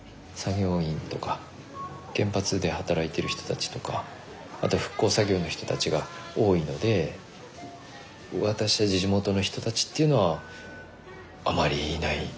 作業員とか原発で働いてる人たちとかあと復興作業の人たちが多いので私たち地元の人たちっていうのはあまりいない。